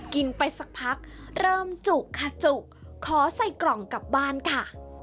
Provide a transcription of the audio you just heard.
กินไปสักพักเริ่มจุขจุขอใส่กล่องกลับบ้านค่ะ